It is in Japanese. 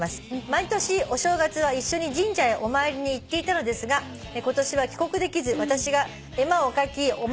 「毎年お正月は一緒に神社へお参りに行っていたのですが今年は帰国できず私が絵馬を書きお守りを買いました」